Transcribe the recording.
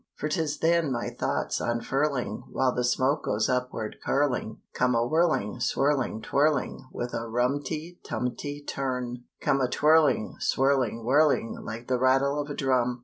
For 'tis then my thoughts unfurling, While the smoke goes upward curling, Come a whirling, swirling, twirling, With a rumty, tumty, turn, Come a twirling, swirling, whirling, Like the rattle of a drum.